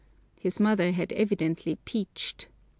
His mother had evidently "peached."